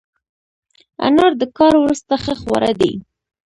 انار د کار وروسته ښه خواړه دي.